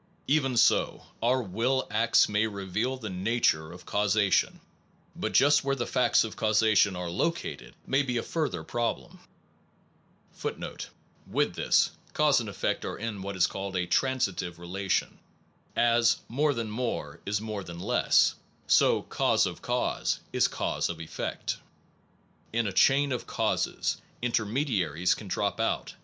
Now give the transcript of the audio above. Even so our will acts may reveal the na ture of causation, but just where the facts of causation are located may be a further pro blem. 1 With this further problem, philosophy l With this cause and effect are in what is called a transitive rela tion: as more than more is more than less, so cause of cause is cause of effect. In a chain of causes, intermediaries can drop out.